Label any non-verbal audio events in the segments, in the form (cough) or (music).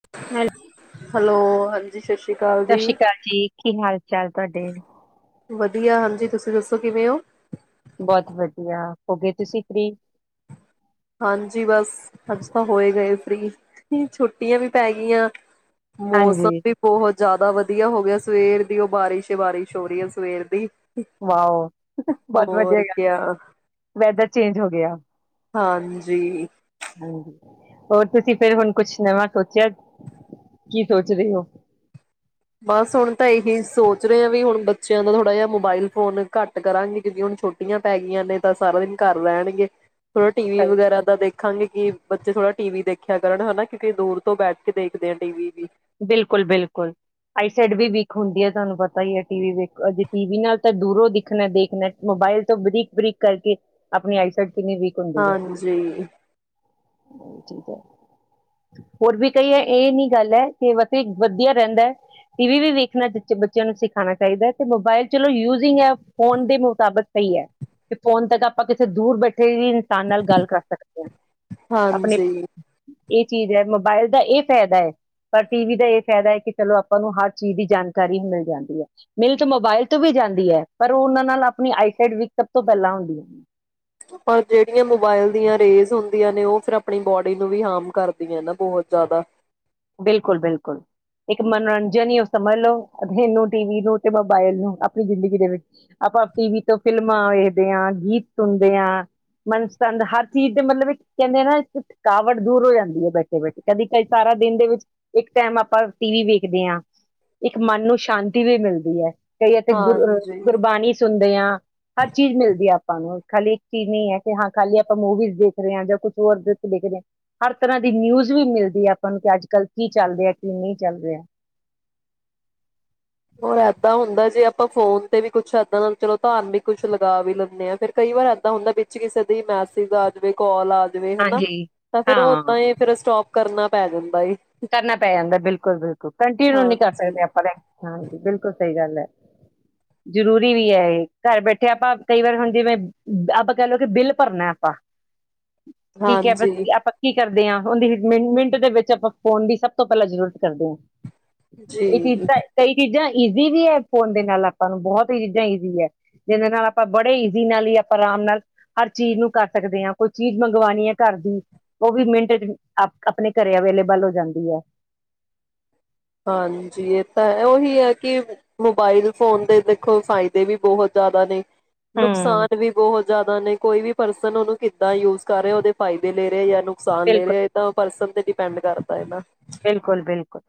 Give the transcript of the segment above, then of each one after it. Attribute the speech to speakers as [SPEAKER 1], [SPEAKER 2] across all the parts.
[SPEAKER 1] (unintelligible)
[SPEAKER 2] Hello, ਹਾਂਜੀ। ਸਤਿ ਸ਼੍ਰੀ ਅਕਾਲ
[SPEAKER 1] ਸਤਿ
[SPEAKER 2] ਜੀ
[SPEAKER 1] ਸ਼੍ਰੀ ਅਕਾਲ ਜੀ, ਕੀ ਹਾਲ ਚਾਲ ਤੁਹਾਡੇ?
[SPEAKER 2] ਵਧੀਆ, ਹਾਂਜੀ ਤੁਸੀਂ ਦੱਸੋ ਕਿਵੇਂ ਹੋ।
[SPEAKER 1] ਬਹੁਤ ਵਧੀਆ। ਹੋ ਗਏ ਤੁਸੀਂ ਫ੍ਰੀ?
[SPEAKER 2] ਹਾਂਜੀ, ਬਸ ਅਸੀਂ ਤਾਂ ਹੋਏ ਗਏ ਫ੍ਰੀ। ਛੋਟੀਆਂ ਵੀ ਪੈ ਗਈਆਂ। ਮੌਸਮ
[SPEAKER 1] ਹਾਂਜੀ,
[SPEAKER 2] ਵੀ ਬਹੁਤ, ਜਿਆਦਾ ਵਧੀਆ ਹੋ ਗਿਆ। ਸਵੇਰ ਦੀ ਉ ਬਾਰਿਸ਼ ਈ ਬਾਰਿਸ਼ ਹੋ ਰਹੀ ਹੈ ਸਵੇਰ ਦੀ।
[SPEAKER 1] ਵਾਓ ਬਹੁਤ ਵਧੀਆ
[SPEAKER 2] ਹੋਰ ਕਿਆ
[SPEAKER 1] ਵੈਦਰ ਚੇਂਜ ਹੋ ਗਿਆ।
[SPEAKER 2] ਹਾਂਜੀ (unintelligible)
[SPEAKER 1] ਔਰ ਤੁਸੀਂ ਫੇਰ ਹੁਣ ਕੁਝ ਨਵਾਂ ਸੋਚਿਆ। ਕੀ ਸੋਚ ਰਹੇ ਹੋ?
[SPEAKER 2] ਬਸ ਹੁਣ ਤਾਂ ਇਹੀ ਸੋਚ ਰਹੇ ਆ ਵੀ ਹੁਣ ਬੱਚਿਆਂ ਦਾ ਥੋੜਾ ਜਿਹਾ ਮੋਬਾਈਲ ਫੋਨ ਘੱਟ ਕਰਾਂਗੇ। ਕਿਉਕਿ ਹੁਣ ਛੁੱਟੀਆਂ ਪੈ ਗਈਆਂ ਨੇ ਤਾਂ ਸਾਰਾ ਦਿਨ ਘਰ ਰੈਣਗੇ। ਥੋੜਾ ਟੀਵੀ
[SPEAKER 1] ਸਹੀ
[SPEAKER 2] ਵਗੈਰਾ
[SPEAKER 1] ਗੱਲ।
[SPEAKER 2] ਦਾ ਦੇਖਾਂਗੇ ਕਿ ਬੱਚੇ ਥੋੜਾ ਟੀਵੀ ਦੇਖਿਆ ਕਰਨ ਹੇਨਾ। ਕਿਉਂਕਿ ਦੂਰ ਤੋਂ ਬੈਠ ਕੇ ਦੇਖਦੇ ਆ ਟੀਵੀ ਵੀ।
[SPEAKER 1] ਬਿਲਕੁਲ, ਬਿਲਕੁਲ ਆਈ ਸਾਈਡ ਵੀ ਵੀਕ ਹੁੰਦੀ ਏ। ਤੁਹਾਨੂੰ ਪਤਾ ਟੀਵੀ ਵੇਖ ਅਜੇ ਟੀਵੀ ਨਾਲ ਤਾ ਦੂਰੋਂ ਦਿਖਣੈ ਦੇਖਣਾ ਮੋਬਾਈਲ ਤੋਂ ਬਰੀਕ-ਬਰੀਕ ਕਰਕੇ ਆਪਣੀ ਆਈਸਾਈਟ
[SPEAKER 2] ਹਾਂਜੀ।
[SPEAKER 1] ਹੋਰ ਵੀ ਕਈ ਇਹ ਨਹੀਂ ਗੱਲ ਏ (unintelligible) ਵਧੀਆ ਰਹਿੰਦਾ, ਟੀਵੀ ਵੀ ਵੇਖਣਾ ਚਾਚੇ ਬੱਚਿਆਂ ਨੂੰ ਸਿਖਾਣਾ ਚਾਹੀਦਾ ਤੇ ਮੋਬਾਇਲ ਚਲੋ ਯੂਜਿੰਗ ਆ ਫੋਨ ਦੇ ਮੁਤਾਬਿਕ ਸਹੀ ਹ ਫੋਨ ਤੱਕ ਆਪਾਂ ਕਿਸੇ ਦੂਰ ਬੈਠੇ ਵੀ ਇਨਸਾਨ ਨਾਲ ਗੱਲ ਕਰ ਸਕਦੇ ਆਂ
[SPEAKER 2] ਹਾਂਜੀ।
[SPEAKER 1] ਇਹ ਚੀਜ਼ ਏ। ਮੋਬਾਇਲ ਦਾ ਇਹ ਫਾਇਦਾ ਏ। ਪਰ ਟੀਵੀ ਦਾ ਇਹ ਫਾਇਦਾ ਏ ਕਿ ਚਲੋ ਆਪਾਂ ਨੂੰ ਹਰ ਚੀਜ਼ ਦੀ ਜਾਣਕਾਰੀ ਮਿਲ ਜਾਂਦੀ ਏ। ਮਿਲ ਤਾਂ ਮੋਬਾਇਲ ਤੋਂ ਵੀ ਜਾਂਦੀ ਏ। ਪਰ ਉਹਨਾਂ ਨਾਲ ਆਪਣੀ ਆਈਟਾਈਡ ਵਿਕ ਸਭ ਤੋਂ ਪਹਿਲਾਂ ਹੁੰਦੀ ਏ।
[SPEAKER 2] ਆਪਾਂ ਜਿਹੜੀਆਂ ਮੋਬਾਈਲ ਦੀਆਂ ਰੇਂਜ ਹੁੰਦੀਆਂ ਨੇ, ਉਹ ਫਿਰ ਆਪਣੀ ਬਾਡੀ ਨੂੰ ਵੀ ਆਮ ਕਰਦੀਆਂ ਏ ਨਾ ਬੋਤ ਜਿਆਦਾ।
[SPEAKER 1] ਬਿਲਕੁਲ-ਬਿਲਕੁਲ ਇੱਕ ਮਨੋਰੰਜਨ ਹੀ ਉਹ ਸਮਝ ਲਓ ਟੀਵੀ ਨੂੰ ਤੇ ਮੋਬਾਇਲ ਨੂੰ ਆਪਣੀ ਜ਼ਿੰਦਗੀ ਦੇ ਵਿੱਚ ਆਪਾਂ ਟੀਵੀ ਤੋਂ ਫਿਲਮਾ ਦੇਖਦੇ ਆਂ ਗੀਤ ਸੁਣਦੇ ਆਂ ਮਨਪਸਂਦ ਹਰਚੀਜ ਤੇ ਮਤਲਬ ਕਹਿੰਦੇ ਨਾ ਥਕਾਵਟ ਦੂਰ ਹੋ ਜਾਂਦੀ ਹ ਬੈਠੇ ਬੈਠੇ ਕਦੀ ਸਾਰਾ ਦਿਨ ਦੇ ਵਿੱਚ ਇੱਕ ਟਾਈਮ ਆਪਾਂ ਟੀਵੀ ਵੇਖਦੇ ਆਂ। ਇੱਕ ਮਨ ਨੂੰ ਸ਼ਾਂਤੀ ਵੀ ਮਿਲਦੀ ਏ। (unintelligible)
[SPEAKER 2] ਹਾਂਜੀ।
[SPEAKER 1] ਗੁਰਬਾਣੀ ਸੁਣਦੇ ਆਂ। ਹਰ ਚੀਜ਼ ਮਿਲਦੀ ਆ ਆਪਾਂ ਨੂੰ। ਹਲੇ ਇਕ ਚੀਜ ਨਹੀ ਹੈ ਕੀ ਹਾਂ ਖਾਲੀ ਆਪਾਂ ਮੂਵੀਜ਼ ਦੇਖ ਰਹੇ ਆ ਜਾਂ ਕੁਝ ਹੋਰ ਦੇਖ ਰਹੇਂ ਹਰ ਤਰ੍ਹਾਂ ਦੀ ਨਿਊਜ਼ ਵੀ ਮਿਲਦੀ ਆ ਸਾਨੂੰ ਕਿ ਅੱਜ ਕੱਲ ਕੀ ਚੱਲ ਰਿਹਾ ਕਿ ਨਹੀਂ ਚੱਲ ਰਿਹਾ
[SPEAKER 2] ਹੋਰ ਏਦਾਂ ਹੁੰਦਾ ਜੇ ਆਪਾਂ ਫੋਨ ਤੇ ਵੀ ਕੁਝ ਇਦਾਂ ਚਲੋ ਧਾਰਮਿਕ ਕੁਝ ਲਗਾ ਵੀ ਲੈਂਦੇ ਆ। ਫਿਰ ਕਈ ਵਾਰ ਇਦਾਂ ਹੁੰਦਾ ਵਿੱਚ ਕਿਸੇ ਦੇ ਮੈਸੇਜ ਆ ਜਾਵੇ ਕਾੱਲ ਆ ਜਿਵੇਂ ਹਨਾ
[SPEAKER 1] ਹਾਂਜੀ
[SPEAKER 2] ਤਾਂ ਫਿਰ ਉਹ
[SPEAKER 1] ਹਾਂ
[SPEAKER 2] ਇਦਾਂ ਇਹ ਫਿਰ ਸਟੋਕ ਕਰਨਾ ਪੈ ਜਾਂਦਾ ਏ।
[SPEAKER 1] ਕਰਨਾ ਪੈ ਜਾਂਦਾ ਏ। ਬਿਲਕੁਲ, ਬਿਲਕੁਲ ਕਨਟੀਨਿਊ ਨਹੀਂ ਕਰ
[SPEAKER 2] ਹਾਂਜੀ,
[SPEAKER 1] ਸਕਦੇ ਆਪਾਂ ਤੇ। ਹਾਂਜੀ, ਬਿਲਕੁਲ ਸਹੀ ਗੱਲ ਏ। ਜਰੂਰੀ ਵੀ ਏ ਐ। ਘਰ ਬੈਠੇ ਆਪਾ ਕਈ ਵਾਰ ਹੁਨ ਜਿਵੇਂ ਆਪਾ ਕਹਿ ਲੋ ਕਿ ਬਿੱਲ ਭਰਨਾ ਏ ਆਪਾਂ। ਠੀਕ ਏ ਬਸ
[SPEAKER 2] ਹਾਂਜੀ।
[SPEAKER 1] (unintelligible) ਕਰਦੇ ਆਂ, ਓਹਦੀ ਮਿਨ ਮਿੰਟ ਦੇ ਵਿੱਚ ਆਪਾ ਫੋਨ ਦੀ ਸਭ ਤੋਂ ਪਹਿਲਾਂ ਜਰੂਰ ਕਰਦੇ ਆਂ।
[SPEAKER 2] ਜੀ।
[SPEAKER 1] (unintelligible) ਕਈ ਚੀਜ਼ਾਂ ਈਜ਼ੀ ਵੀ ਹੈ ਫੋਨ ਦੇ ਨਾਲ ਆਪਾਂ ਨੂੰ ਬਹੁਤ ਹੀ ਚੀਜ਼ਾਂ ਈਜ਼ੀ ਹ ਜਿਹਦੇ ਨਾਲ ਆਪਾਂ ਬੜੇ ਈਜ਼ੀ ਨਾਲ ਹੀ ਆਪਾਂ ਆਰਾਮ ਨਾਲ ਹਰ ਚੀਜ਼ ਨੂੰ ਕਰ ਸਕਦੇ ਆਂ ਕੋਈ ਚੀਜ਼ ਮੰਗਵਾਉਣੀ ਹ ਘਰ ਦੀ ਉਹ ਵੀ ਮਿੰਟ ਚ ਆਪਣੇ ਘਰੇ ਅਵੇਲੇਬਲ ਹੋ ਜਾਂਦੀ ਏ।
[SPEAKER 2] ਹਾਂਜੀ, ਇਹ ਤਾਂ ਉਹੀ ਆ ਕਿ ਮੋਬਾਈਲ ਫੋਨ ਦੇ ਦੇਖੋ ਫਾਈਦੇ ਵੀ ਬਹੋਤ ਜਿਆਦਾ ਨੇ।
[SPEAKER 1] ਹਮ
[SPEAKER 2] ਨੁਕਸਾਨ ਵੀ ਬਹੋਤ ਜਿਆਦਾ ਨਹੀਂ, ਕੋਈ ਵੀ ਪਰਸਨ ਉਹਨੂੰ ਕੀਦਾ ਯੂਜ ਕਰ ਰਿਆ ਉਹਦੇ ਫਾਈਦੇ ਲੈ ਰਹੇ ਜਾਂ ਨੁਕ
[SPEAKER 1] ਬਿਲਕੁਲ
[SPEAKER 2] (unintelligible) ਡਿਪੈਂਡ ਕਰਦਾ ਹੈ ਨਾ
[SPEAKER 1] ਬਿਲਕੁਲ, ਬਿਲਕੁਲ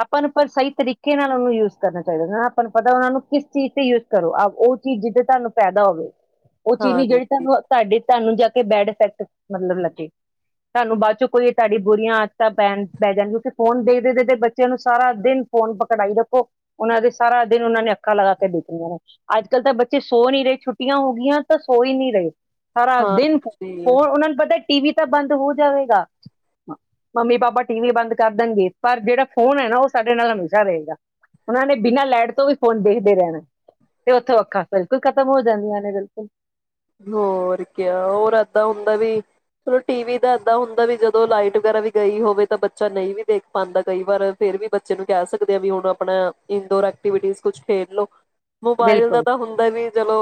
[SPEAKER 1] ਆਪਾਂ ਨੂੰ ਪਰ ਸਹੀ ਤਰੀਕੇ ਨਾਲ ਉਹਨੂੰ ਯੂਜ ਕਰਨਾ ਚਾਹੀਦਾ ਏ। ਆਪਾਂ ਨੂੰ ਪਤਾ ਉਹਨਾਂ ਨੂੰ ਕਿਸ ਚੀਜ਼ ਤੇ ਯੂਜ ਕਰੋ ਉਹ ਚੀਜ਼ ਜਿੱਦਾ ਤੁਹਾਨੂੰ ਪੈਦਾ ਹੋਵੇ। ਉਹ
[SPEAKER 2] ਹਾਂ
[SPEAKER 1] ਚੀਨੀ ਜਿਹੜੀ ਤੁਹਾਨੂੰ ਤਾਡੇ ਤੁਹਾਨੂੰ ਜਾਕੇ ਬੈਡ ਇਫੈਕਟ ਮਤਲਬ ਲੱਗੇ, ਤੁਹਾਨੂੰ ਬਾਅਦ ਚ ਕੋਈ ਤੁਹਾਡੀ ਬੁਰੀਆ ਆਦਤਾ ਪੈਣ। ਪੈ ਜਾਣ ਗਈਆ ਤੇ ਫੋਨ ਦੇਖਦੇ ਦੇਖਦੇ ਬੱਚਿਆ ਨੂੰ ਸਾਰਾ ਦਿਨ ਫੋਨ ਪਕੜਾਈ ਰੱਖੋ, ਉਹਨਾ ਨੇ ਸਾਰਾ ਦਿਨ ਉਹਨਾ ਨੇ ਅੱਖਾ ਲਗਾ ਕੇ ਦੇਖੀ ਜਾਣਾ ਅੱਜ ਕੱਲ ਤਾਂ ਬੱਚੇ ਸੋ ਨੀ ਰਹੇ ਛੁੱਟੀਆਂ ਹੋਗੀਆ ਪਰ ਸੋ ਹੀ ਨੀ ਰਹੇ। ਸਾਰਾ
[SPEAKER 2] ਹਾਂ
[SPEAKER 1] ਦਿਨ ਉਹ
[SPEAKER 2] ਜੀ
[SPEAKER 1] ਉਹਨਾ ਨੂੰ ਪਤਾ ਟੀਵੀ ਤਾਂ ਬੰਦ ਹੋ ਜਾਵੇਗਾ, ਮੰਮੀ ਪਾਪਾ ਟੀਵੀ ਬੰਦ ਕਰ ਦੇਣਗੇ, ਪਰ ਜਿਹੜਾ ਫੋਨ ਐ ਨਾ ਉਹ ਸਾਡੇ ਨਾਲ ਹਮੇਸ਼ਾ ਰਹੇਗਾ, ਉਨ੍ਹਾਂ ਨੇ ਬਿਨ੍ਹਾਂ ਲਾਈਟ ਤੋ ਵੀ ਫੋਨ ਦੇਖਦੇ ਰਹਿਣਾ ਤੇ ਓਥੋਂ ਅੱਖਾਂ ਫਿਰ ਤੇ ਖਤਮ ਹੋ ਜਾਂਦੀਆ ਨੇ ਜਲਦੀ
[SPEAKER 2] ਹੋਰ ਕਿਆ ਹੋਰ ਐਦਾ ਹੁੰਦਾ ਵੀ ਚਲੋ ਟੀਵੀ ਦਾ ਐਦਾ ਹੁੰਦੇ ਵੀ ਜਦੋ ਲਾਈਟ ਵਗੈਰਾ ਵੀ ਗਈ ਹੋਵੇ ਤਾਂ ਬੱਚੇ ਨਹੀ ਵੀ ਦੇਖ ਪਾਉਂਦਾ ਕਈ ਬਾਰ ਫਿਰ ਵੀ ਬੱਚੇ ਨੂੰ ਕਹਿ ਸਕਦੇ ਆ ਵੀ ਹੁਣ ਆਪਣਾ ਇਨ ਡੋਰ ਐਕਟੀਵਿਟੀ ਵਿੱਚ ਕੁਝ ਖੇਡ ਲੋ। ਮੋਬਾਇਲ
[SPEAKER 1] ਬਿਲਕੁਲ
[SPEAKER 2] ਦਾ ਤਾ ਹੁੰਦਾ ਨੀ ਚਲੋ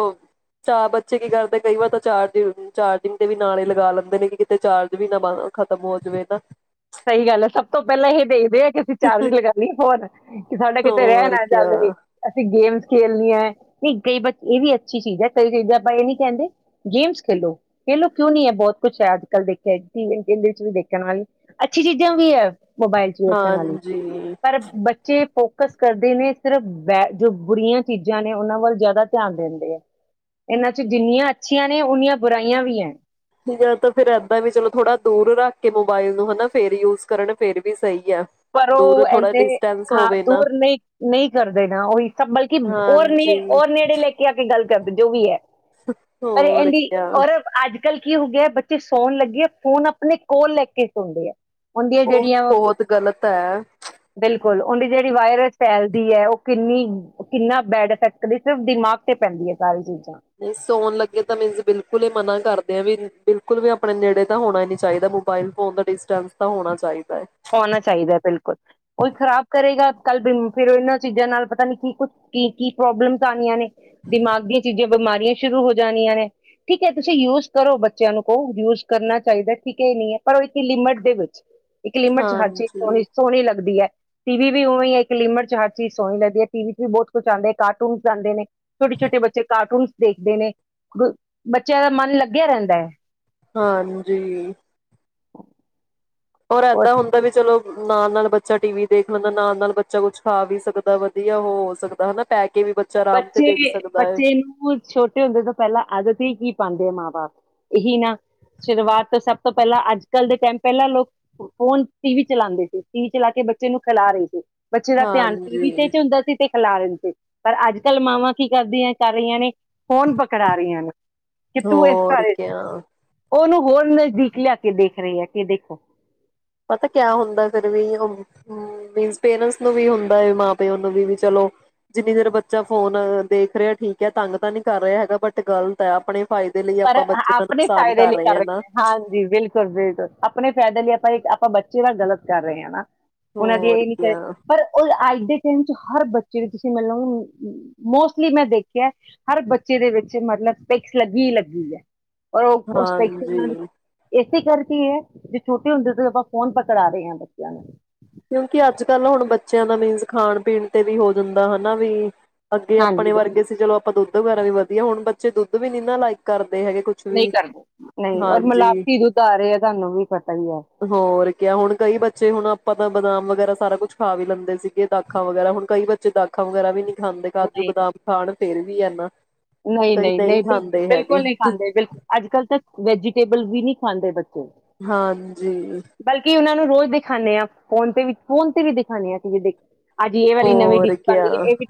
[SPEAKER 2] ਚਾਰ ਬੱਚੇ ਕੀ ਕਰਦੇ ਆ ਕਈ ਵਾਰ ਤਾ ਚਾਰਜ ਚਾਰਜ ਦੇ ਵੀ ਨਾਲੇ ਲਗਾ ਲੈਦੇ ਨੇ ਵੀ ਕਿਤੇ ਚਾਰਜ ਵੀ ਨਾ ਅ ਖਤਮ ਹੋਜੇਵੇ ਨਾ
[SPEAKER 1] ਸਹੀ ਗੱਲ ਐ ਸਬ ਤੋ ਪਹਿਲਾ ਐਹੇ ਦੇਖਦੇ ਆ। ਕੀ ਅਸੀ ਚਾਰਜ ਲਗਾਇਏ ਫੋਨ ਕਿ ਕਿਤੇ ਸਾਡਾ ਰਹਿ
[SPEAKER 2] ਹੋਰ
[SPEAKER 1] ਨਾ
[SPEAKER 2] ਕਿਆ
[SPEAKER 1] ਜਾਵੇ, ਅਸੀ ਗੇਮ ਖੇਲ ਲਿਆ ਕਈ ਬੱਚੇ ਐ ਵੀ ਅੱਛੀ ਚੀਜ ਐ ਕਈ ਕਹਿੰਦੇ ਐ ਆਪਾ ਐ ਨੀ ਕਹਿਦੇ ਗੈਮਸ ਖੇਲੋ (unintelligible) ਬਹੁਤ ਕੁਝ ਅੱਜ ਕੱਲ ਦੇਖਿਆ (unintelligible) ਅੱਛੀ ਚੀਜਾਂ ਵੀ ਐ ਮੁਬਾਇਲ ਚ ਦੇਖਣ ਵਾਲੀ
[SPEAKER 2] ਹਾਂਜੀ
[SPEAKER 1] ਪਰ ਬੱਚੇ ਕੁਸ ਕਰਦੇ ਨੀ ਐ ਸਿਰਫ ਜੋ ਬੁਰੀਆ ਚੀਜ਼ ਨੇ ਉਹਨਾ ਵੱਲ ਜਿਆਦਾ ਧਿਆਨ ਦੇਣਗੇ ਇਹਨਾ ਚ ਜਿੰਨੀਆ ਅੱਛੀਆ ਨੇ ਉਨੀਆ ਬੁਰਾਈਆ ਵੀ ਐ
[SPEAKER 2] ਜਾ ਤਾ ਫਿਰ ਐਦਾ ਵੀ ਚਲੋ ਥੋੜਾ ਦੂਰ ਰੱਖਕੇ ਮੁਬਾਇਲ ਨੁੰ ਹਨਾ ਫੇਰ ਯੂਜ ਕਰਨ ਫੇਰ ਵੀ ਸਹੀ ਆ
[SPEAKER 1] ਪਰ
[SPEAKER 2] ਦੂਰ
[SPEAKER 1] ਉਹ
[SPEAKER 2] ਥੋੜਾ
[SPEAKER 1] ਐਨੇ
[SPEAKER 2] ਡਿਸਟੈਂਸ
[SPEAKER 1] ਹਾ
[SPEAKER 2] ਹੋਵੇ ਨਾ
[SPEAKER 1] ਦੂਰ ਨਹੀ ਨਹੀ ਕਰਦੇ ਨਾ ਔ ਈ ਤਾ ਬਲਕਿ ਹੋਰ
[SPEAKER 2] ਹਾਂਜੀ
[SPEAKER 1] ਨਹੀ ਨੇੜੇ ਲੈ ਕੇ ਆ ਕੇ ਗੱਲ ਕਰਦੇ ਜੋ ਵੀ ਹੈ ਪਰ
[SPEAKER 2] ਹੋਰ
[SPEAKER 1] ਐਦੀ
[SPEAKER 2] ਕਿਆ
[SPEAKER 1] ਔਰ ਅੱਜ ਅੱਜ ਕੱਲ ਕੀ ਹੋਗੀਆ ਬੱਚੇ ਸੋਣ ਲੱਗਿਆ ਫੋਨ ਆਪਣੇ ਕੋਲ ਲੇਕੇ ਸੋਂਦੇ ਆ। ਹੁਣ ਦਿਆ ਜਿਹੜੀਆ
[SPEAKER 2] ਗਲਤ ਏ
[SPEAKER 1] ਕੋਲੋ ਉਹਦੀ ਜਿਹੜੀ ਵਾਇਰਸ ਫੈਲਦੀ ਐ ਉਹ ਕਿੰਨੀ ਕਿੰਨਾ ਬੈਡ ਇਫੇਕਟ ਦੇਖਿਉ ਦਿਮਾਗ ਤੇ ਪੇਦੀ ਐ ਸਾਰੀ ਦੀ
[SPEAKER 2] ਸੋਣ ਲੱਗੇ ਤਾਂ ਮੀਨਸ ਬਿਲਕੁਲ ਹੀ ਮਨਾ ਕਰਤਾ ਬਿਲਕੁਲ ਵੀ ਆਪਣੇ ਨੇੜੇ ਤਾਂ ਹੋਣਾ ਨਹੀਂ ਚਾਹੀਦਾ ਮੁਬਾਇਲ ਫੋਨ ਦਾ ਡਿਸਟੈਂਸ ਤਾਂ ਹੋਣਾ ਚਾਹੀਦਾ ਹੈ।
[SPEAKER 1] ਹੋਣਾ ਚਾਹੀਦਾ ਬਿਲਕੁਲ ਉਹ ਖਰਾਬ ਕਰੇਗਾ। ਕੱਲ ਦਿਨ ਚ ਇਹਨੂੰ ਚੀਜ਼ਾਂ ਨਾਲ ਪਤਾ ਨਹੀਂ ਕੀ ਕੀ ਪ੍ਰੋਬਲਮ ਆਉਣੀਆ ਨੇ ਦਿਮਾਗੀ ਚੀਜ ਬਿਮਾਰੀਆਂ ਸ਼ੁਰੂ ਹੋ ਜਾਣੀਆਂ ਨੇ ਠੀਕ ਹੈ, ਤੁਸੀਂ ਯੂਜ ਕਰੋ ਬੱਚਿਆਂ ਨੂੰ ਕਹੋ ਯੂਜ ਕਰਨਾ ਚਾਹੀਦਾ ਠੀਕ ਏ ਨਹੀ ਏ ਪਰ ਇੱਕ ਲਿਮਿਟ ਦੇ ਵਿੱਚ ਇਕ ਲਿਮਿਟ ਵਿੱਚ ਹਰ ਚੀਜ
[SPEAKER 2] ਹਾਂਜੀ,
[SPEAKER 1] ਇਹ ਸੋਹਣੀ ਲਗਦੀ ਐ ਟੀਵੀ ਵੀ ਔਵੇ ਇੱਕ ਲਿਮਿਟ ਚ ਹਰ ਚੀਜ ਸੋਹਣੀ ਲੱਗਦੀ ਹੈ, ਟੀਵੀ ਚ ਵੀ ਬਹੁਤ ਕੁਝ ਆਉਂਦਾ ਹੈ, ਕਾਰਟੂਨਸ ਆਉਦੇ ਨੇ ਛੋਟੇ ਛੋਟੇ ਬੱਚੇ ਕਾਰਟੂਨਸ ਦੇਖਦੇ ਨੇ ਬੱਚਿਆਂ ਦਾ ਮਨ ਲੱਗਿਆ ਰਹਿੰਦਾ।
[SPEAKER 2] ਹਾਂਜੀ ਔਰ
[SPEAKER 1] ਉਹ
[SPEAKER 2] ਐਦਾ ਹੁੰਦਾ ਵੀ ਚਲੋ। ਮਾਂ ਨਾਲ ਬੱਚਾ ਟੀਵੀ ਦੇਖ ਲੈਂਦਾ ਮਾਂ ਨਾਲ ਬੱਚਾ ਕੁਝ ਖਾ ਵੀ ਸਕਦਾ ਵਧੀਆ ਹੋ ਸਕਦਾ ਹਨਾ ਕੇ ਵੀ ਬੱਚਾ ਆਰਾਮ ਤੇ
[SPEAKER 1] ਬੱਚੇ
[SPEAKER 2] ਦੇਖ ਸਕਦਾ ਹੈ।
[SPEAKER 1] ਬੱਚੇ ਨੁੰ ਛੋਟੇ ਹੁੰਦੇ ਤੋਂ ਪਹਿਲਾ ਆਦਤ ਹੀ ਪਾਉਂਦੇ ਆ ਮਾਂ ਬਾਪ ਐਹੀ ਨਾ ਸ਼ੁਰੂਆਤ ਤਾਂ ਸਭ ਤੋ ਪਹਿਲਾ ਅੱਜ ਕੱਲ ਦੇ ਟਾਈਮ ਪਹਿਲਾਂ ਲੋਕ ਫੋਨ ਟੀਵੀ ਚਲਾਉਂਦੇ ਸੀ ਟੀਵੀ ਚਲਾ ਕੇ ਬੱਚੇ ਨੂੰ ਸਲਾ ਰਹੇ ਤੇ ਬੱਚੇ ਦਾ ਧਿਆਨ ਟੀਵੀ
[SPEAKER 2] ਹਾਂਜੀ,
[SPEAKER 1] ਵਿੱਚ ਹੁੰਦਾ ਸੀ ਤੇ ਅਲਾਰਮ ਤੇ ਅਜਕੱਲ ਮਾਵਾਂ ਕੀ ਕਰਦਿਅਂਆ
[SPEAKER 2] ਹੋਰ
[SPEAKER 1] (unintelligible)
[SPEAKER 2] ਕਿਆ।
[SPEAKER 1] ਓਨੂੰ ਹੋਰ ਨਜ਼ਦੀਕ ਲਿਆ ਕਰ ਦੇਖ ਰਹੇ ਹੈ ਕਿ ਦੇਖੋ
[SPEAKER 2] ਪਤਾ ਕਿਆ ਹੋਂਦਾ, ਫਿਰ ਵੀ ਪੇਰੈਂਟਸ ਨੂੰ ਵੀ ਹੋਂਦਾ ਮਾਂ ਪਿਓ ਨੂੰ ਵੀ ਬੱਚਾ ਚਲੋ ਫੋਨ ਦੇਖ ਰਿਹਾ ਹੈ ਠੀਕ ਹੈ ਤੰਗ ਤਾ ਨੀ ਕਰ ਰਿਹਾ। ਫਾਇਦੇ ਲਈ
[SPEAKER 1] ਪਰ
[SPEAKER 2] ਆਪਾਂ ਬੱਚੇ ਦਾ
[SPEAKER 1] ਆਪਣੇ
[SPEAKER 2] ਨੁਕਸਾਨ
[SPEAKER 1] ਫਾਇਦੇ ਲਈ
[SPEAKER 2] ਰਹੇ
[SPEAKER 1] ਕਰ
[SPEAKER 2] ਹਾਂ ਨਾ
[SPEAKER 1] ਰੱਖਿਆ, ਹਾਂਜੀ ਬਿਲਕੁਲ ਬਿਲਕੁਲ ਆਪਣੇ ਫਾਇਦੇ ਲਈ। ਆਪਾਂ ਇਕ ਆਪਾਂ ਬੱਚੇ ਨੇ ਗਲਤ ਕਰ ਰਹੇ ਹਾਂ ਨਾ। ਉਹਨਾ
[SPEAKER 2] ਹੋਰ
[SPEAKER 1] ਦੇ
[SPEAKER 2] ਕਿਆ
[SPEAKER 1] ਪਰ ਉਹ ਅੱਜ ਦੀ ਹਰ ਬੱਚੇ ਦੇ ਤੁਸੀ ਮਤਲਬ ਮੋਸਟਲੀ ਮੈਂ ਦੇਖਿਆ ਹਰ ਬੱਚੇ ਦੇ ਵਿੱਚ ਮਤਲਬ ਲ
[SPEAKER 2] ਹਾਂਜੀ
[SPEAKER 1] ਫਿਰ ਕੀ ਐ ਵੀ ਛੋਟੇ ਹੁੰਦੇ ਤਾ ਕਰਾ ਰਹੇ ਆ ਬੱਚਿਆ ਨੂੰ।
[SPEAKER 2] ਕਿਉਂਕਿ ਅੱਜ ਕੱਲ੍ਹ ਹੁਣਾ ਬੱਚਿਆਂ ਦਾ ਮੈਨਸ ਖਾਣ ਪੀਣ ਤਾ ਵੀ ਹੋ ਜਾਂਦਾ ਹੈ, ਹਨਾ ਬਈ। ਅੱਗੇ
[SPEAKER 1] ਹਾਂਜੀ
[SPEAKER 2] ਆਪਣੇ ਵਰਗਾ ਸੀ ਚਲੋ। ਔਰ ਦੁੱਧ ਵੀ ਵਧੀਆ ਹੁੰਦਾ, ਹੁਣ ਬੱਚਾ ਦੁੱਧ ਵਗੈਰਾ ਵੀ ਨਹੀਂ ਨਾ ਲਾਈਕ ਹੈਗੇ ਕੁਛ
[SPEAKER 1] ਨਹੀਂ
[SPEAKER 2] ਵੀ
[SPEAKER 1] ਕਰਦੇ ਨਹੀਂ ਔਰ
[SPEAKER 2] ਹਾਂਜੀ
[SPEAKER 1] ਮਲਾਈ ਪੀ ਦੁੱਧ ਆ ਰਹੇ ਤੈਨੂੰ ਵੀ ਪਤਾ ਹੈ।
[SPEAKER 2] ਤੇ ਹੁਣ ਪਤਾ ਬਾਦਾਮ ਵਗੈਰਾ ਸਾਰਾ ਕੁਝ ਖਾ ਵੀ ਲੈਂਦਾ ਸੀ, ਦਾਖਾ ਵਗੈਰਾ ਹੁਣ ਦਾਖਾ ਵਗੈਰਾ ਵੀ ਨਹੀਂ। ਹਾਂਜੀ ਕਾਜੂ
[SPEAKER 1] ਨਹੀਂ
[SPEAKER 2] ਬਾਦਾਮ ਖਾਣ ਕੇ। ਕੀ ਹਾਲ ਹੈ
[SPEAKER 1] ਨਹੀਂ ਨਹੀਂ ਬਿਲਕੁਲ ਨੀ ਖਾਂਦੇ ਬਿਲ ਅੱਜਕੱਲ ਤਾਂ, ਵੈਜੀਟੇਬਲ ਵੀ ਨਈਂ ਖਾਂਦੇ ਬੱਚੇ।
[SPEAKER 2] ਹਾਂ।
[SPEAKER 1] ਬਲਕਿ ਉਹਨਾਂ ਨੂੰ ਉਹ ਦਿਖਾਨੇ ਆਂ ਫੋਨ ਤੇ ਵੀ ਫੋਨ ਤੇ ਵੀ ਦਿਖਾਨੇ ਆਂ ਤੁਸੀਂ ਦੇਖ ਅੱਜ ਇਹ ਵਾਲੀ ਨਵੀਂ
[SPEAKER 2] ਹੋਰ
[SPEAKER 1] ਡਿਸਕ
[SPEAKER 2] ਕਿਆ
[SPEAKER 1] ਆਉਂਦੀ ਇਹ ਵੀ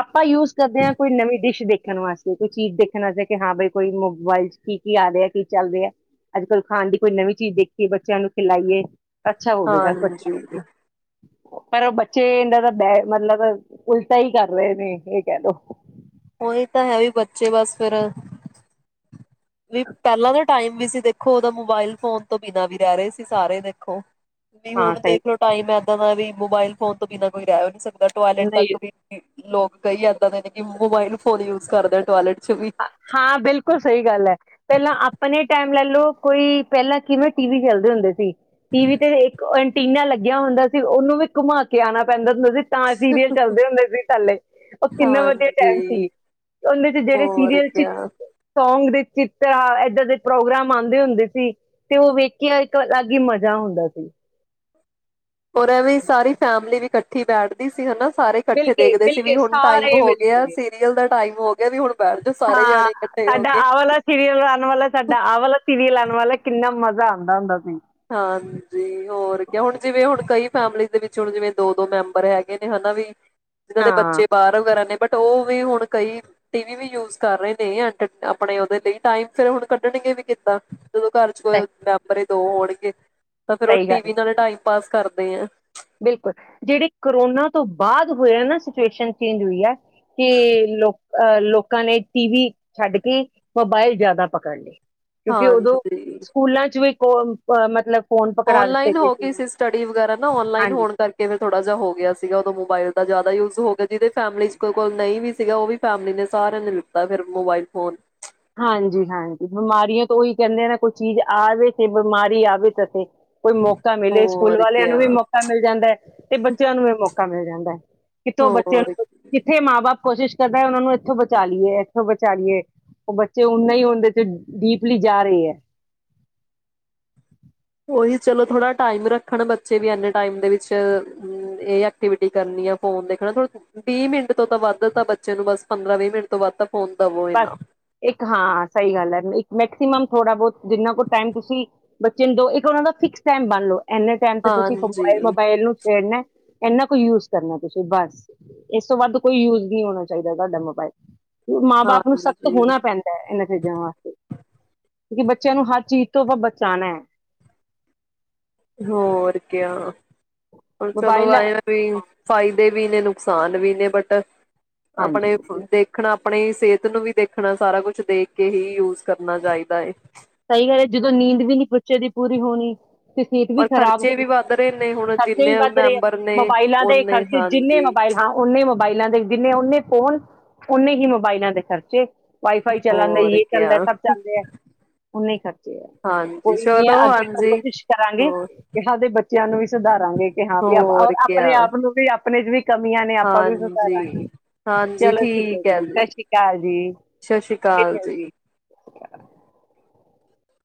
[SPEAKER 1] ਆਪਾਂ ਯੂਜ ਕਰਦੇ ਆ ਕੋਈ ਨਵੀਂ ਡਿਸ਼ ਦੀ ਧੰਨਵਾਦ ਕੋਈ ਚੀਜ਼ ਦੇਖਣ ਵਾਸਤੇ ਕਿ ਹਾਂ ਬਈ ਕੋਈ ਮੋਬਾਈਲ ਚ ਕੀ-ਕੀ ਆ ਰਿਹਾ, ਕੀ ਚੱਲ ਰਿਹਾ ਅੱਜਕਲ ਖਾਣ ਦੀ ਕੋਈ ਨਵੀਂ ਚੀਜ਼ ਦੇਖੀ ਬੱਚਿਆਂ ਨੂੰ- ਲਾਈਏ ਅੱਛਾ ਹੋਵੇਗਾ।
[SPEAKER 2] ਹਾਂਜੀ
[SPEAKER 1] ਅੱਗੇ-ਅੱਗੇ। ਪਰ ਉਹ ਬੱਚੇ ਇਦਾਂ ਦਾ ਮਤਲਬ ਉਲਟਾ ਹੀ ਕਰ ਰਹੇ ਨੇ ਇਹ ਕਹਿ ਦੋ,
[SPEAKER 2] ਉਹੀ ਤਾਂ ਹੈ ਵੀ ਬੱਚੇ ਵਾਸਤੇ ਫਿਰ ਵੀ ਪਹਿਲਾਂ ਦੇ ਟਾਈਮ ਵੀ ਸੀ ਦੇਖੋ ਉਹਦੋਂ ਮੋਬਾਇਲ ਫੋਨ ਤੋਂ ਬਿਨਾਂ ਵੀ ਰਹਿ ਰਹੇ ਸੀ ਸਾਰੇ ਦੇਖੋ। ਨਈਂ
[SPEAKER 1] ਹਾਂ
[SPEAKER 2] ਹੁਣ
[SPEAKER 1] ਸਹੀ
[SPEAKER 2] ਦੇਖ ਲਓ ਟਾਈਮ ਐ ਪਤਾ ਨਹੀ ਮੋਬਾਈਲ ਫੋਨ ਤੋਂ ਬਿਨਾ ਕੋਈ ਰਹਿ ਵੀ ਨਹੀਂ ਸਕਦਾ। ਬਟੂਆਲੇ
[SPEAKER 1] ਨਹੀਂ
[SPEAKER 2] ਤੱਕ ਵੀ ਨੀ, ਲੋਕ ਕਈ ਇਦਾਂ ਦੇ ਨੇ ਕਿ ਮੋਬਾਈਲ ਫੋਨ ਯੂਜ ਕਰਦੇ ਟੋਇਲਟ ਚ ਵੀ।
[SPEAKER 1] ਹਾਂ ਬਿਲ ਬਿਲਕੁਲ ਸਹੀ ਗੱਲ ਹੈ। ਪਹਿਲਾਂ ਆਪਣੇ ਟਾਈਮ ਲੈਲੋ ਕੋਈ ਪਹਿਲਾਂ ਜਿਵੇਂ ਟੀ ਵੀ ਖੇਲਦੇ ਹੁੰਦੇ ਸੀ। ਟੀ ਵੀ ਤੇ ਇੱਕ ਐਂਟੀਨਾ ਲੱਗਿਆ ਹੁੰਦਾ ਸੀ ਉਹਨੂੰ ਵੀ ਘੁਮਾ ਕੇ ਆਣਾ ਪੈਂਦਾ ਮਿਊਜਿਕ ਤਾਂ ਸੀਰੀਅਲ ਚਲਦੇ ਹੁੰਦੇ ਸੀ ਥੱਲੇ, ਉਹ ਕਿੰਨਾ ਵਧੀਆ ਟਾਈਮ
[SPEAKER 2] ਹਾਂਜੀ
[SPEAKER 1] ਸੀ। ਓਹਨੇ ਜੇ ਜਿਹੜੇ
[SPEAKER 2] ਹੋਰ
[SPEAKER 1] ਸੀਰੀਅਲ (unintelligible)
[SPEAKER 2] ਕਿਆ
[SPEAKER 1] ਸੋਂਗ ਦੀ (unintelligible) ਇਦਾਂ ਦੇ ਪ੍ਰੋਗਰਾਮ ਆਦੇ ਹੁੰਦੇ ਸੀ, ਤੇ ਉਹ ਵੇਖ ਕੇ ਇੱਕ ਅਲੱਗ ਹੀ ਮਜਾ ਹੁੰਦਾ ਸੀ।
[SPEAKER 2] ਔਰ ਐਵੇਂ ਹੀ ਸਾਰੀ ਫੇਮਿਲੀ ਇਕੱਠੀ ਬੈਠਦੀ ਸੀ ਹਨਾ। ਸਾਰੇ ਇਕੱਠੇ
[SPEAKER 1] ਮਿਲਕੇ
[SPEAKER 2] ਦੇਖਦੇ ਸੀ ਵੀ
[SPEAKER 1] ਮਿਲਕੇ
[SPEAKER 2] ਹੁਣ ਟਾਈਮ
[SPEAKER 1] ਸਾਰੇ
[SPEAKER 2] ਹੋ ਗਿਆ
[SPEAKER 1] ਮਿਲਕੇ
[SPEAKER 2] ਸੀਰੀਅਲ ਦਾ ਟਾਈਮ ਹੋ ਗਿਆ ਵੀ ਹੁਣ ਬੈਠ ਜਾਓ ਸਾਰੇ
[SPEAKER 1] ਹਾਂ
[SPEAKER 2] ਜਾਣੇ ਇਕੱਠੇ ਹੋ
[SPEAKER 1] ਸਾਡਾ
[SPEAKER 2] ਕੇ
[SPEAKER 1] ਆਹ ਵਾਲਾ ਸੀਰੀਅਲ ਆਣ ਵਾਲਾ ਹੈ, ਸਾਡਾ ਆਹ ਵਾਲਾ ਸੀਰੀਅਲ ਆਣ ਵਾਲਾ ਹੈ, ਕਿੰਨਾ ਮਜ਼ਾ ਮਜ਼ਾ ਆਦਾ ਹੁੰਦਾ ਸੀ
[SPEAKER 2] ਹਾਂਜੀ ਹੋਰ ਕਿਉ ਹੁਣ ਜਿਵੇੰ ਹੁਣ ਕਈ ਫੈਮਿਲੀ ਦੇ ਵਿੱਚ ਹੁਣ ਜਿਵੇਂ ਦੋ ਦੋ ਮੈਂਬਰ ਹੈਗੇ ਨੇ ਹਨਾ ਵੀ। ਜਿਨ੍ਹਾਂ ਦੇ
[SPEAKER 1] ਹਾਂ
[SPEAKER 2] ਬੱਚੇ ਬਾਹਰ ਵਗੈਰਾ ਨੇ ਬਟ ਉਹ ਵੇ ਹੁਣ ਕਈ ਟੀ ਵੀ ਵੀ ਯੂਜ ਕਰ ਰਹੇ ਨੇ, (unintelligible) ਆਪਣੇ ਓਹਦੇ ਤੇ ਹੀ, ਟਾਈਮ ਫੇਰ ਹੁਣ ਕਢਣਗੇ ਵੀ ਕਿੱਦਾਂ। ਜਦੋਂ ਘਰ ਚ
[SPEAKER 1] ਸਹੀ
[SPEAKER 2] (unintelligible) ਦੋ (unintelligible) (unintelligible) ਪਰ ਫੇਰ ਉਹ
[SPEAKER 1] ਸਹੀ
[SPEAKER 2] ਟੀ
[SPEAKER 1] ਗੱਲ
[SPEAKER 2] ਵੀ ਨਾ (unintelligible) ਬਸ ਕਰਦੇ ਹਾਂ।
[SPEAKER 1] ਬਿਲਕੁਲ ਜਿਹੜੀ ਕਰੋਨਾ ਤੋਂ ਬਾਅਦ ਹੋਇਆ ਨਾ ਸਿਚੂਏਸ਼ਨ ਚੇਂਜ ਹੁਈ ਹੈ। ਕਿ ਲੋ ਅਹ ਲੋਕਾਂ ਨੇ ਟੀ ਵੀ ਛੱਡ ਕੇ, ਮੋਬਾਈਲ ਜਿਆਦਾ ਪਕੜ ਲਏ। ਕਿਉਂਕਿ ਓਦੋ
[SPEAKER 2] ਹਾਂਜੀ
[SPEAKER 1] ਸਕੂਲਾਂ ਚ ਵੀ (unintelligible) ਪ ਮਤਲਬ ਫੋਨ ਪਕੜਾ ਦਿੱਤੇ
[SPEAKER 2] ਔਨਲਾਇਨ
[SPEAKER 1] ਗਏ
[SPEAKER 2] ਹੋ ਗਈ ਸੀ ਸਟੱਡੀ ਵਗੈਰਾ ਨਾ ਉਹ। ਔਨਲਾਈਨ
[SPEAKER 1] ਹਾਂਜੀ
[SPEAKER 2] ਹੋਣ ਕਰਕੇ ਫੇਰ ਥੋੜਾ ਜਿਹਾ ਹੋ ਗਿਆ ਸੀ ਉਦੋਂ ਮੋਬਾਈਲ। ਥੋੜਾ ਜਿਆਦਾ ਯੂਜ਼ ਹੋ ਗਿਆ, ਜਿਦੇ ਫੈਮਿਲੀ ਚ ਕੋਈ ਕੋਲ ਨਹੀਂ ਵੀ ਸੀਗਾ, ਉਹ ਵੀ ਫੈਮਿਲੀ ਨੇ ਸਾਰਿਆਂ ਨੇ ਲੀਤਾ ਫੇਰ ਮੋਬਾਈਲ ਫੋਨ।
[SPEAKER 1] ਹਾਂਜੀ-ਹਾਂਜੀ ਬਿਮਾਰੀਆਂ ਤੋਂ ਓਹੀ ਕਹਿੰਦੇ ਨਾ ਕੋਈ ਚੀਜ ਆਵੇ ਤੇ, ਬਿਮਾਰੀ ਆਵੇ ਤੇ ਸਈ। ਕੋਈ ਮੌਕਾ ਮਿਲੇ, ਸਕੂਲ
[SPEAKER 2] ਹੋਰ
[SPEAKER 1] ਵਾਲਿਆਂ ਨੂੰ
[SPEAKER 2] ਕਿਆ
[SPEAKER 1] ਵੀ ਮੌਕਾ ਮਿਲ ਜਾਂਦਾ ਹੈ ਤੇ ਬੱਚਿਆਂ ਨੂੰ ਵੀ ਮੋ ਕੰਮ ਮਿਲ ਜਾਂਦਾ ਹੈ। ਕਿਥੋਂ ਬਚਿਆਂ
[SPEAKER 2] ਹੋਰ
[SPEAKER 1] ਨੂੰ (unintelligible) ਕਿੱਥੇ ਮਾਂ ਬਾਪ ਕੋਸ਼ਿਸ਼ ਕਰਦੇ ਹਾਂ ਉਹਨਾਂ ਨੂੰ ਏਥੋਂ ਬਚਾ ਲਈਏ, ਏਥੋਂ ਬਚਾ ਲਈਏ। ਬੱਚੇ ਹੁਣ ਨਹੀਂ ਹੁੰਦੇ ਤੇ ਡੀਪਲੀ ਜਾ ਰਏ ਹੈ।
[SPEAKER 2] ਕੋਈ ਨੀ ਚਲੋ ਥੋੜਾ ਟਾਈਮ ਰੱਖਣ ਬੱਚੇ ਵੀ, ਇੰਨੇ ਟਾਈਮ ਦੇ ਵਿੱਚ ਏਹ ਐਕਟੀਵਿਟੀ ਕਰਨੀ ਹੈ ਫੋਨ ਦੇਖਣਾ, ਥੋੜਾ ਵੀਹ ਮਿੰਟ ਤੋਂ ਤਾਂ ਵੱਧ ਤਾਂ ਬੱਚੇ ਨੂੰ ਬਸ ਪੰਦਰਾਂ ਵੀਹ ਮਿੰਟ ਤੋਂ ਵੱਧ ਤਾਂ ਫੋਨ ਦਵੋ ਹੀ
[SPEAKER 1] ਪਰ
[SPEAKER 2] ਨਾ
[SPEAKER 1] ਇੱਕ ਹਾਂ ਸਹੀ ਗੱਲ ਹੈ, ਇ ਮੈਕਸੀਮਮ ਥੋੜਾ ਬਹੁਤ ਜਿੰਨਾ ਕੁ ਟਾਈਮ ਤੁਸੀਂ ਬੱਚੇ ਨੂੰ ਦੋ, ਇਕ ਉਹਨਾਂ ਦਾ ਫਿਕਸ ਟਾਈਮ ਬੰਨ ਲੋ। ਇਨੇ ਟਾਈਮ ਤੇ ਤੁਸੀਂ
[SPEAKER 2] ਹਾਂਜੀ
[SPEAKER 1] ਕੰਪਾਈਲ ਮੋਬਾਈਲ ਨੂੰ ਛੇੜਨਾ ਐ। ਇਨਾ ਕੁ ਯੂਜ ਕਰਨਾ ਤੁਸੀਂ ਬਸ ਇਸ ਤੋਂ ਵੱਧ ਕੋਈ ਯੂਜ ਨਹੀਂ ਹੋਣਾ ਚਾਹੀਦਾ ਤੁਹਾਡਾ ਮੋਬਾਈਲ ਮਾਂ ਬਾਪ ਹੁਣ ਸਖਤ
[SPEAKER 2] ਹਾਂਜੀ
[SPEAKER 1] ਹੋਣਾ ਪੈਂਦਾ ਇਹਨਾਂ ਚੀਜ਼ਾਂ ਵਾਸਤੇ ਤੁਸੀਂ ਬੱਚਿਆਂ ਨੂੰ ਹਰ ਚੀਜ਼ ਤੋਂ ਬਚਾਨਾ ਐ।
[SPEAKER 2] ਹੋਰ ਕਿਆ ਚਲੋ
[SPEAKER 1] ਮੋਬਾਇਲ
[SPEAKER 2] ਆਏ ਆ ਤੁਸੀਂ ਫਾਈਵ ਦੇ ਵੀ ਨੇ ਨੁਕਸਾਨ ਵੀ ਨੇ ਬਟ
[SPEAKER 1] ਹਾਂਜੀ
[SPEAKER 2] ਆਪਣੇ ਦੇਖਣਾ ਆਪਣੇ ਸਿਹਤ ਨੂੰ ਵੀ ਦੇਖਣਾ ਸਾਰਾ ਕੁਝ ਦੇਖ ਕੇ ਹੀ ਯੂਜ ਕਰਨਾ ਚਾਹੀਦਾ
[SPEAKER 1] ਸਹੀ ਗੱਲ ਏ, ਜਦੋਂ ਨੀਂਦ ਵੀ ਨੀ ਬੱਚੇ ਦੀ ਪੂਰੀ ਹੋਣੀ ਤਕਨੀਕ ਵੀ
[SPEAKER 2] ਔਰ
[SPEAKER 1] ਖਰਾਬ
[SPEAKER 2] ਖਰਚੇ ਵੀ ਵੱਧ ਰਹੇ ਨੇ ਹੁਣ
[SPEAKER 1] ਕਰਸੀ ਵੀ
[SPEAKER 2] ਜਿੰਨੇ
[SPEAKER 1] ਵੱਧ ਰਹੇ ਆ
[SPEAKER 2] ਮੈਂਬਰ ਨੇ
[SPEAKER 1] ਮੋਬਾਈਲਾਂ ਤੇ
[SPEAKER 2] ਓਨੇ
[SPEAKER 1] ਖਰਚੇ ਜਿੰਨੇ
[SPEAKER 2] ਹਾਂਜੀ
[SPEAKER 1] ਮੋਬਾਇਲ ਹਾਂ ਉਨੇ ਮੋਬਾਇਲਾਂ ਦੇ ਜਿੰਨੇ ਉਨੇ ਹੁਣ ਉਹਨੇ ਹੀ ਮੋਬਾਈਲਾਂ ਦੇ ਖਰਚੇ ਵਾਈਫਾਈ ਚਲਣ ਦੀ ਹੈ,
[SPEAKER 2] ਹੋਰ
[SPEAKER 1] ਯੇ ਚੱਲ
[SPEAKER 2] ਕਿਆ
[SPEAKER 1] ਰਿਹਾ, ਸਭ ਚੱਲ ਰਿਹਾ ਐ। ਓਹਨੇ ਹੀ ਖਰਚੇ ਐ,
[SPEAKER 2] ਹਾਂਜੀ
[SPEAKER 1] ਕੋਈ ਨਹੀਂ
[SPEAKER 2] ਚਲੋ
[SPEAKER 1] ਅੱਗੇ ਤੋਂ
[SPEAKER 2] ਹਾਂਜੀ
[SPEAKER 1] ਕੋਸ਼ਿਸ਼ ਕਰਾਂਗੇ
[SPEAKER 2] ਹੋਰ
[SPEAKER 1] ਕਿ ਸਾਡੇ ਚੈਨਲ ਵੀ ਸੁਧਾਰ ਤਾਂ ਹੀ ਕਿਹਾ
[SPEAKER 2] ਹੋਰ
[SPEAKER 1] ਆਪਣੇ
[SPEAKER 2] ਕਿਆ
[SPEAKER 1] ਆਪ ਨੂੰ ਵੀ। (unintelligible) ਕਮੀਆਂ ਨੇ ਆਪਾਂ ਵੀ
[SPEAKER 2] ਹਾਂਜੀ
[SPEAKER 1] ਸੁਧਾਰਾਂਗੇ,
[SPEAKER 2] ਹਾਂਜੀ
[SPEAKER 1] ਚਲੋ ਠੀਕ ਐ
[SPEAKER 2] ਹੈ
[SPEAKER 1] ਜੀ, ਸਤਿ ਸ਼੍ਰੀ ਅਕਾਲ ਜੀ।
[SPEAKER 2] ਸਤਿ ਸ਼੍ਰੀ ਅਕਾਲ ਜੀ
[SPEAKER 1] (unintelligible)